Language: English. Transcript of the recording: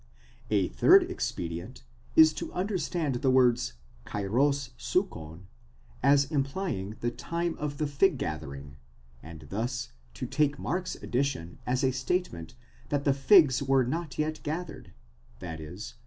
8 <A third ex pedient is to understand the words καιρὸς σύκων as implying the time of the fig gathering, and thus to take Mark's addition as a statement that the figs were not yet gathered, i.e.